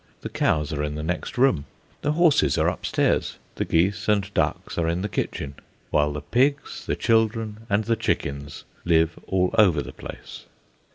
The cows are in the next room, the horses are upstairs, the geese and ducks are in the kitchen, while the pigs, the children, and the chickens live all over the place.